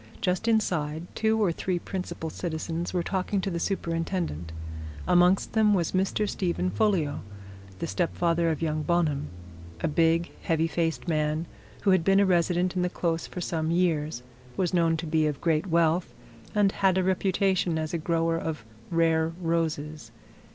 Just inside two or three principal citizens were talking to the Superintendent amongst them was Mr. Stephen Folliot, the stepfather of young Bonham a big, heavy faced man who had been a resident in the Close for some years, was known to be of great wealth, and had a reputation as a grower of rare roses.